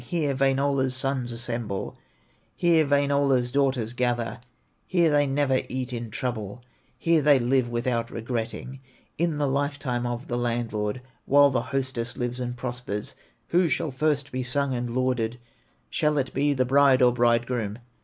Here Wainola's sons assemble, Here Wainola's daughters gather, Here they never eat in trouble, Here they live without regretting, In the life time of the landlord, While the hostess lives and prospers. "Who shall first be sung and lauded? Shall it be the bride or bridegroom?